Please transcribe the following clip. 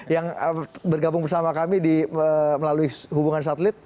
yang bergabung bersama kami melalui hubungan satelit